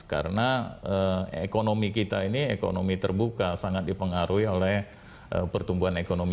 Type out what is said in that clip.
karena ekonomi kita ini ekonomi terbuka sangat dipengaruhi oleh pertumbuhan ekonomi